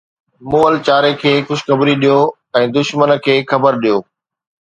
مئل چاري کي خوشخبري ڏيو ۽ دشمنن کي خبر ڏيو